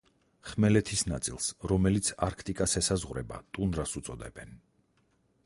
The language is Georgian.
ხმელეთის ნაწილს, რომელიც არქტიკას ესაზღვრება, ტუნდრას უწოდებენ.